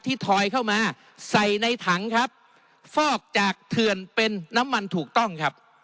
ทอยเข้ามาใส่ในถังครับฟอกจากเถื่อนเป็นน้ำมันถูกต้องครับ